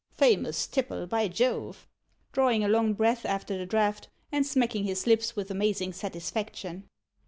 Famous tipple, by Jove!" drawing a long breath after the draught, and smacking his lips with amazing satisfaction.